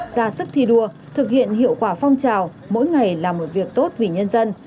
ra sức thi đua thực hiện hiệu quả phong trào mỗi ngày làm một việc tốt vì nhân dân